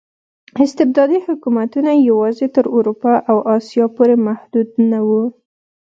استبدادي حکومتونه یوازې تر اروپا او اسیا پورې محدود نه وو.